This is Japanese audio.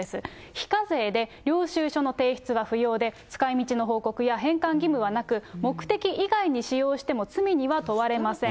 非課税で、領収書の提出は不要で、使いみちの報告や、返還義務はなく、目的以外に使用しても罪には問われません。